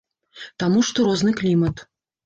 Таму што розны клімат.